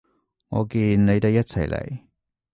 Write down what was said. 我見你哋一齊嚟